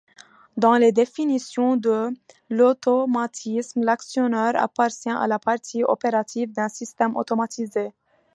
Dans les définitions de l’automatisme, l’actionneur appartient à la partie opérative d'un système automatisé.